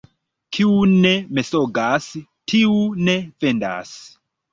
Kiu ne mensogas, tiu ne vendas.